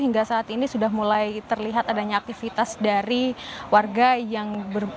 hingga saat ini sudah mulai terlihat adanya aktivitas dari warga yang